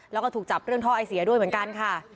แล้วก็ถูกจับเรื่องท่อไอเสียด้วยเหมือนกันค่ะ